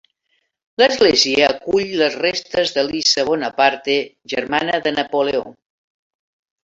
L'església acull les restes d'Elisa Bonaparte, germana de Napoleó.